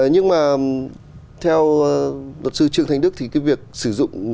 nhưng mà theo luật sư trương thanh đức thì cái việc sử dụng